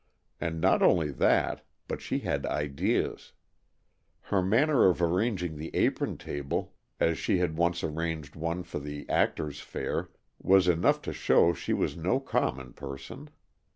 And not only that, but she had ideas. Her manner of arranging the apron table, as she had once arranged one for the Actors' Fair, was enough to show she was no common person.